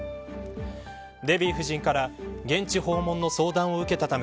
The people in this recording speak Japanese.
デヴィ夫人から現地訪問の相談を受けたため